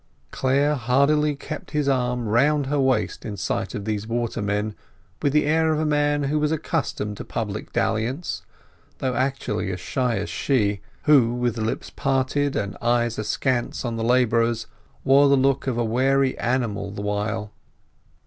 Clare hardily kept his arm round her waist in sight of these watermen, with the air of a man who was accustomed to public dalliance, though actually as shy as she who, with lips parted and eyes askance on the labourers, wore the look of a wary animal the while.